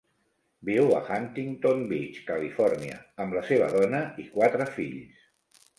Viu a Huntington Beach, Califòrnia, amb la seva dona i quatre fills.